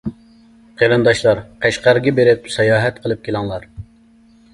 قېرىنداشلار قەشقەرگە بېرىپ ساياھەت قىلىپ كېلىڭلار.